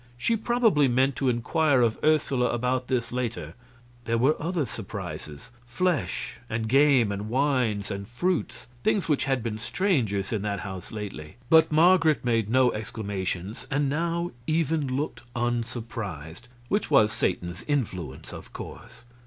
She probably meant to inquire of Ursula about this later. There were other surprises: flesh and game and wines and fruits things which had been strangers in that house lately; but Marget made no exclamations, and now even looked unsurprised, which was Satan's influence, of course.